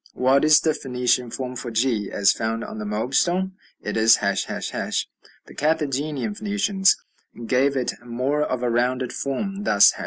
What is the Phoenician form for g as found on the Moab stone? It is ###. The Carthaginian Phoenicians gave it more of a rounded form, thus, ###